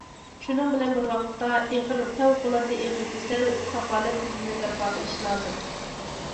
شۇنىڭ بىلەن بىر ۋاقىتتا، ئېغىر، پەۋقۇلئاددە ئېغىر كېسەل كاپالەت تۈزۈمىنى بەرپا قىلىش لازىم.